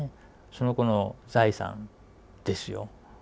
その後の財産ですよ。